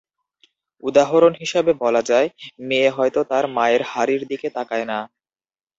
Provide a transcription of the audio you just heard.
উদাহরণ হিসেবে বলা যায়, মেয়ে হয়তো তার মায়ের হাড়ির দিকে তাকায় না।